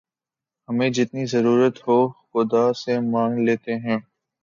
ہمیں جتنی ضرورت ہو خدا سے مانگ لیتے ہیں